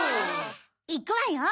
いくわよ！